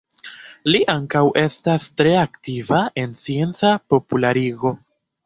Li ankaŭ estas tre aktiva en scienca popularigo.